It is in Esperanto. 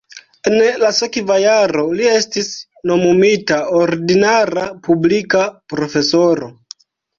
En la sekva jaro li estis nomumita ordinara publika profesoro.